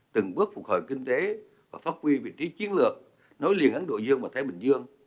từng bước phục hồi kinh tế và phát huy vị trí chiến lược nối liền ấn độ dương và thái bình dương